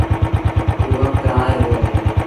اوٚ وکت آئي وهُڙو اهي تا